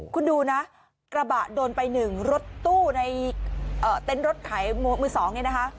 คุณดูนะกระบะโดนไป๑รถตู้ในเต็นต์รถขายมือสองเนี่ยนะคะ